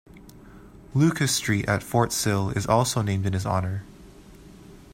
Lucas Street at Fort Sill is also named in his honor.